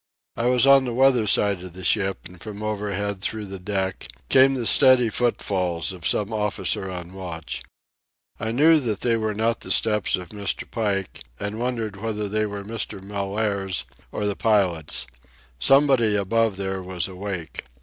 I was on the weather side of the ship, and from overhead, through the deck, came the steady footfalls of some officer on watch. I knew that they were not the steps of Mr. Pike, and wondered whether they were Mr. Mellaire's or the pilot's. Somebody above there was awake.